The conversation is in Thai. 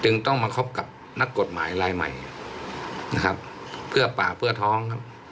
ต้องมาคบกับนักกฎหมายลายใหม่นะครับเพื่อป่าเพื่อท้องครับ